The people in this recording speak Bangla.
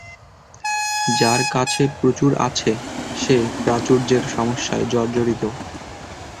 যার কাছে প্রচুর আছে, সে প্রাচুর্যের সমস্যায় জর্জরিত।